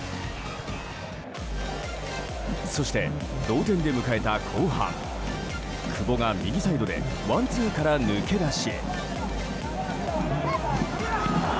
そして同点で迎えた後半久保が右サイドでワンツーから抜け出し。